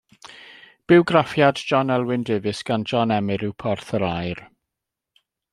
Bywgraffiad John Elwyn Davies gan John Emyr yw Porth yr Aur.